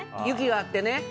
雪があってね。